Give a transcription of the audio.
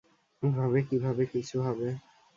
এভাবে কিভাবে কিছু হবে?